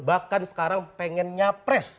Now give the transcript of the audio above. bahkan sekarang pengen nyapres